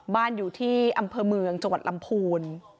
บ้านอยู่ที่อำเภอเมืองจังหวัดลำพูน